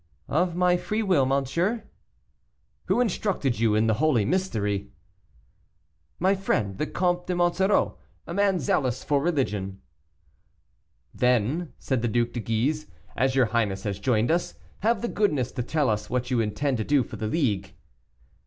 "Of my free will, monsieur." "Who instructed you in the holy mystery?" "My friend, the Comte de Monsoreau, a man zealous for religion." "Then," said the Duc de Guise, "as your highness has joined us, have the goodness to tell us what you intend to do for the league."